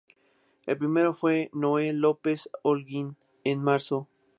El primero fue Noel López Olguín en marzo.